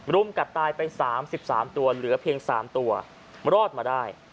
รุมกัดตายไป๓๓ตัวเหลือเพียง๓ตัวรอดมาได้